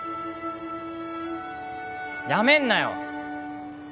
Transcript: やめんなよ！